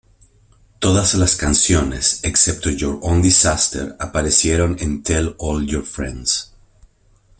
Todas las canciones, excepto "Your Own Disaster", aparecieron en "Tell All Your Friends".